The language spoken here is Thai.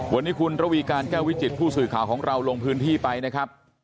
วันนี้คุณระวีการแก้ววิจิตผู้สื่อข่าวของเราลงพื้นที่ไปนะครับ